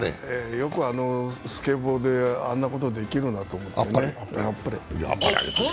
よくあのスケボーであんなことできると思ってね、あっぱれ。